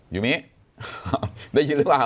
ยูมิได้ยินหรือเปล่า